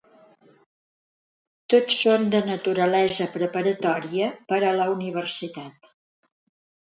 Tots són de naturalesa preparatòria per a la Universitat.